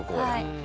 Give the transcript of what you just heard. はい。